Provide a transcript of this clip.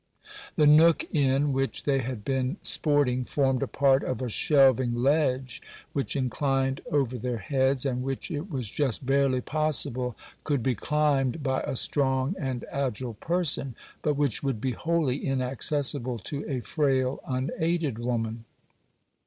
The nook in which they had been sporting formed a part of a shelving ledge which inclined over their heads, and which it was just barely possible could be climbed by a strong and agile person, but which would be wholly inaccessible to a frail, unaided woman.